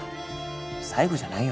最後じゃないよ